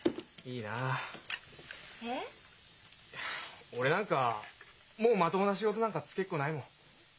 いや俺なんかもうまともな仕事なんか就けっこないもん。